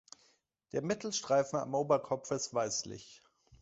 Der Mittelstreifen am Oberkopf ist weißlich.